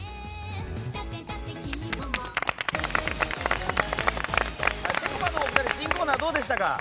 ぺこぱのお二人新コーナーどうでしたか？